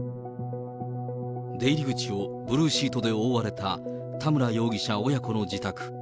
出入り口をブルーシートで覆われた田村容疑者親子の自宅。